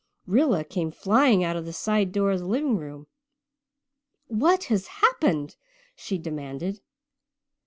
Rilla came flying out of the side door of the living room. "What has happened?" she demanded.